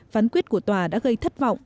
phán quyết của tòa đã gây thất vọng